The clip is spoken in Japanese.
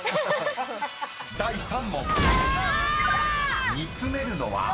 ［第３問］